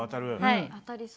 はい。